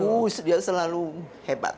oh dia selalu hebat